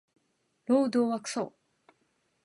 労働はクソ